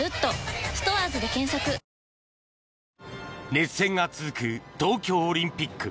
熱戦が続く東京オリンピック。